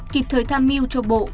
kịp thời tham mưu cho bộ